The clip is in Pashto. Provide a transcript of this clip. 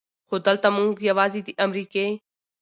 خو دلته مونږ يواځې د امريکې